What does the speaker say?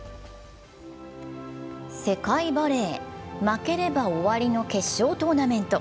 世界バレー、負ければ終わりの決勝トーナメント。